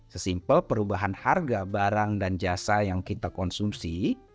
sesimpel perubahan harga barang dan jasa yang kita konsumsi